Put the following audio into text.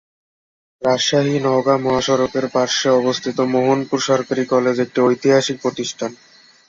রাজশাহী-নওগাঁ মহাসড়কের পার্শ্বে অবস্থিত মোহনপুর সরকারি কলেজ একটি ঐতিহাসিক প্রতিষ্ঠান।